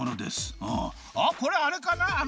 あっこれあれかな？